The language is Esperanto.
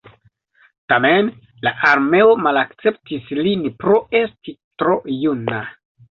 Tamen la armeo malakceptis lin pro esti tro juna.